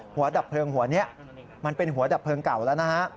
ดับเพลิงหัวนี้มันเป็นหัวดับเพลิงเก่าแล้วนะฮะ